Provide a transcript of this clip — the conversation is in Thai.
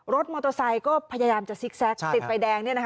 รถมอเตอร์ไซก็พยายามจะซิกแซกติดไปแดงเนี่ยนะครับ